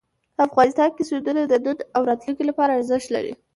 افغانستان کې سیندونه د نن او راتلونکي لپاره ارزښت لري.